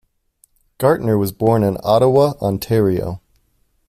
Gartner was born in Ottawa, Ontario.